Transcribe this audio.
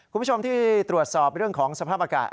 คุณผู้ชมที่ตรวจสอบเรื่องของสภาพอากาศ